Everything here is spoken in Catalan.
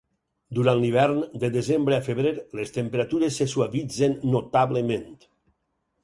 Durant l'hivern, de desembre a febrer, les temperatures se suavitzen notablement.